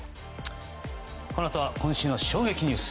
このあとは今週の衝撃ニュース。